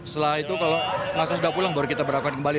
setelah itu kalau masa sudah pulang baru kita berlakukan kembali